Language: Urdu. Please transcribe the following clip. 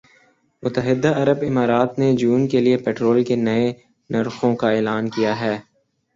متحدہ عرب امارات نے جون کے لیے پٹرول کے نئے نرخوں کا اعلان کیا ہے